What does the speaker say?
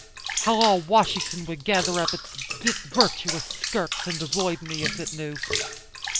How all Washington would gather up its virtuous skirts and avoid me, if it knew.